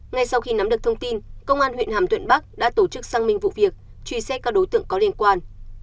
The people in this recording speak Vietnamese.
ngay sau khi nắm được thông tin công an huyện hàm thuận bắc đã tổ chức xăng minh vụ việc truy xét các đối tượng có liên quan